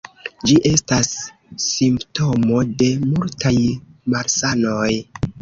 Ĝi estas simptomo de multaj malsanoj.